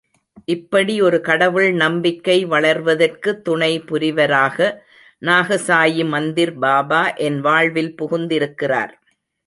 இப்படி ஒரு கடவுள் நம்பிக்கை வளர்வதற்கு துணை புரிவராக நாகசாயிமந்திர் பாபா என் வாழ்வில் புகுந்திருக்கிறார்.